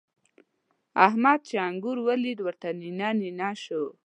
احمد چې انګور وليدل؛ ورته نينه نينه شو.